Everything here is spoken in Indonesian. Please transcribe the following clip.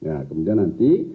nah kemudian nanti